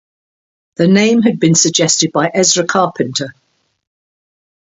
The name had been suggested by Ezra Carpenter.